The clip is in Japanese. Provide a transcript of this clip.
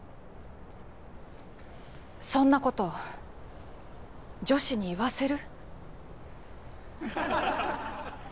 そんなこと女子に言わせる？